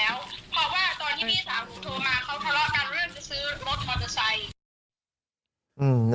เขาทะเลาะกันเริ่มซื้อรถทัวร์สาย